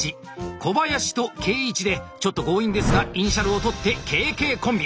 小林と景一でちょっと強引ですがイニシャルをとって「ＫＫコンビ」。